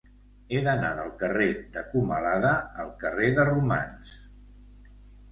He d'anar del carrer de Comalada al carrer de Romans.